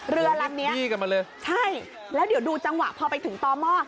เรือหลังนี้ใช่แล้วเดี๋ยวดูจังหวะพอไปถึงตอม่อ